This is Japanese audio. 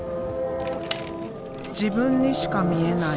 自分にしか見えない